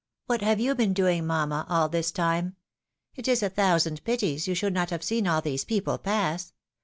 What have you been doing, mamma, all this time? It is a thousand pities you should not have seen all these people pass.